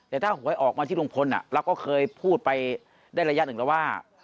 แต่ถ้าหวยออกมาที่ลุงพลเราก็เคยพูดไปได้ระยะหนึ่งแล้วว่า